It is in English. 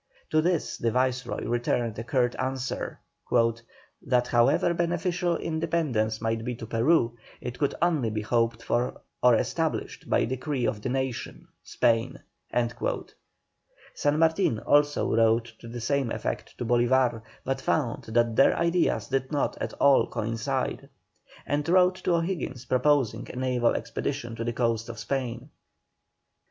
To this the Viceroy returned a curt answer, "That however beneficial independence might be to Peru, it could only be hoped for or established by decree of the nation (Spain)." San Martin also wrote to the same effect to Bolívar, but found that their ideas did not at all coincide. And wrote to O'Higgins proposing a naval expedition to the coasts of Spain.